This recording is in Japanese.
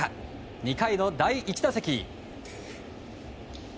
２回の第１打席。